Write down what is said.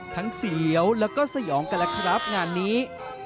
เสียวแล้วก็สยองกันล่ะครับงานนี้